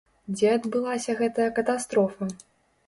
Дзе адбылася гэтая катастрофа?